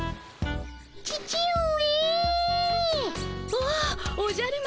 おおおじゃる丸。